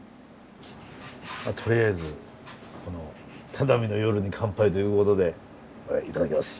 とりあえず只見の夜に乾杯ということでいただきます。